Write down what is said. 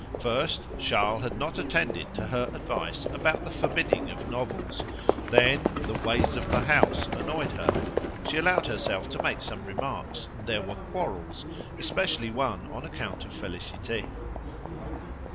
First, Charles had not attended to her advice about the forbidding of novels; then the "ways of the house" annoyed her; she allowed herself to make some remarks, and there were quarrels, especially one on account of Félicité.